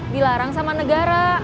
dilarang sama negara